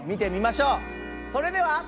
それでは。